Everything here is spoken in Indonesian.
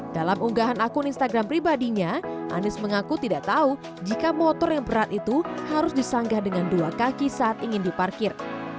dalam unggahan akun instagram pribadinya anies mengaku tidak tahu jika motor yang berat itu harus disanggah dengan dua kaki saat ingin diparkir